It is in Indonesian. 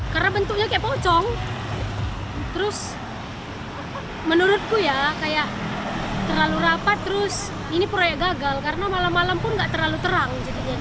karena bentuknya kayak pocong terus menurutku ya kayak terlalu rapat terus ini proyek gagal karena malam malam pun gak terlalu terang